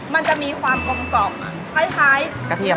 มันจะมีความกลมกล่อมคล้ายกระเทียม